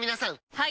はい！